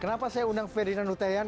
kenapa saya undang ferdinand huta heian